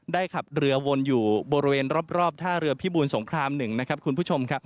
ได้ขับเรือวนอยู่บริเวณรอบท่าเรือพิบูลสงคราม๑